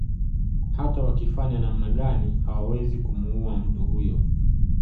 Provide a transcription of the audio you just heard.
Hata wakifanya namna gani hawawezi kumuua mtu huyo